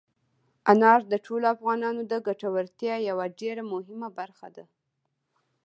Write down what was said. انار د ټولو افغانانو د ګټورتیا یوه ډېره مهمه برخه ده.